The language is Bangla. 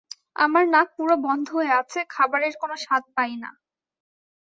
আমার নাক পুরো বন্ধ হয়ে আছে, খাবারের কোনো স্বাদ পাই না।